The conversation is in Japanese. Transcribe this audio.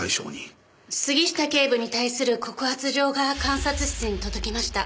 杉下警部に対する告発状が監察室に届きました。